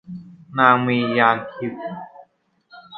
นางมีญาณทิพย์